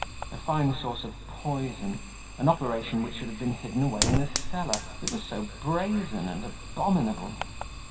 A fine source of poison, an operation which should have been hidden away in a cellar, it was so brazen and abominable!